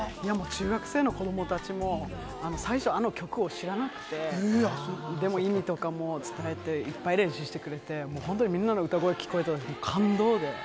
中学生の子どもたちも最初、あの曲を知らなくて、でも意味とかも伝えて、いっぱい練習してくれて、本当にみんなの歌声聴くだけで感動で。